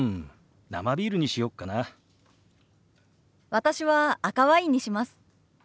私は赤ワインにします。